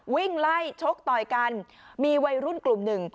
วิ่งไล่ชกต่อยกันมีวัยรุ่นกลุ่มหนึ่ง